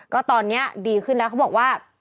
ก็ตอนนี้ดีขึ้นแล้วเขาบอกว่า